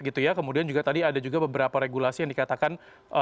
kemudian juga tadi ada juga beberapa regulasi yang dikatakan